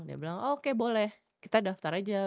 dia bilang oke boleh kita daftar aja